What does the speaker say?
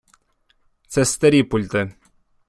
Це старі пульти.